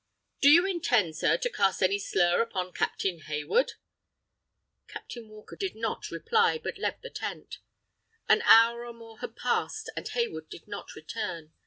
"Do you intend, sir, to cast any slur upon Captain Hayward?" Captain Walker did not reply, but left the tent. An hour or more had passed, and Hayward did not return.